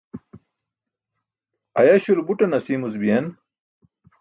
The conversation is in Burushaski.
ayaśulo buṭan asiimuc biyen